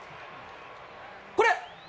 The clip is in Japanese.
これ！